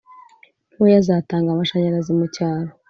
ntoya zatanga amashanyarazi mu cyaro